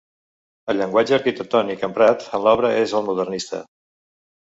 El llenguatge arquitectònic emprat en l'obra és el modernista.